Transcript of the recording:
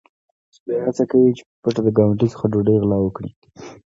سپی هڅه کوي چې په پټه د ګاونډي څخه ډوډۍ وغلا کړي.